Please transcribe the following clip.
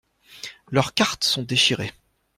Leurs cartes sont déchirées.